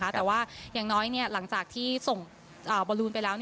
แต่ว่าอย่างน้อยหลังจากที่ส่งบอลลูนไปแล้ว